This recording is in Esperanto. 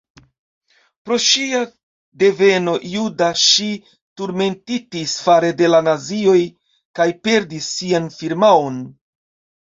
Pro ŝia deveno juda ŝi turmentitis fare de la nazioj kaj perdis sian firmaon.